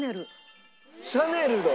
シャネルの？